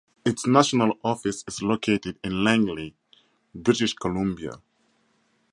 Its national office is located in Langley, British Columbia.